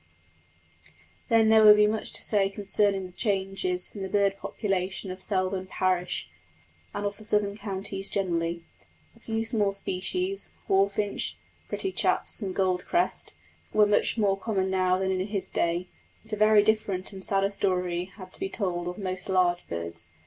Then there would be much to say concerning the changes in the bird population of Selborne parish, and of the southern counties generally. A few small species hawfinch, pretty chaps, and gold crest were much more common now than in his day; but a very different and sadder story had to be told of most large birds.